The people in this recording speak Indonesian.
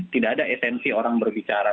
tidak ada esensi orang berbicara